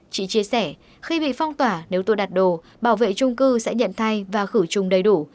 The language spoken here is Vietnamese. chị chia sẻ khi bị phong tỏa nếu tôi đặt đồ bảo vệ trung cư sẽ nhận thay và khử trùng đầy đủ